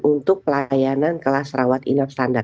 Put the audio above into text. untuk pelayanan kelas rawat inap standar